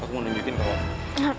aku mau nungguin kamu